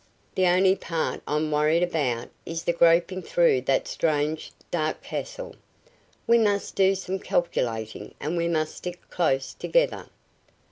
The only part I'm worried about is the groping through that strange, dark castle." "We must do some calculating and we must stick close together.